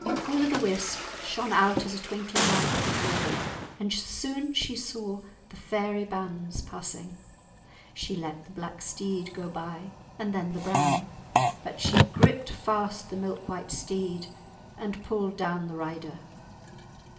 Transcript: Will o' the Wisp shone out as a twinkling light before them, and soon she saw the fairy bands passing. She let the black steed go by, and then the brown. But she gripped fast the milk white steed, and pulled down the rider.